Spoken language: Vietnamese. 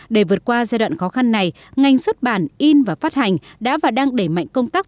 để vượt qua giai đoạn khó khăn này ngành xuất bản in và phát hành đã và đang đẩy mạnh công tác